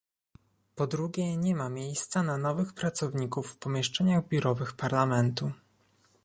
Po drugie nie ma miejsca na nowych pracowników w pomieszczeniach biurowych Parlamentu